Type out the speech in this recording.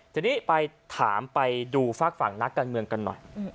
ทีนี้ไปถามไปดูฝากฝั่งนักการเมืองกันหน่อย